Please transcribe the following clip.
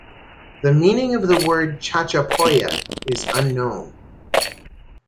The meaning of the word "chachapoya" is unknown.